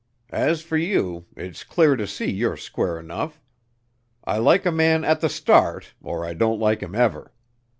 As fer you, it's clear to see you're square 'nuff. I like a man at the start or I don't like him ever.